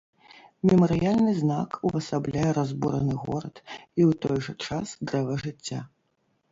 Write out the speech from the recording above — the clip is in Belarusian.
Мемарыяльны знак увасабляе разбураны горад і ў той жа час дрэва жыцця.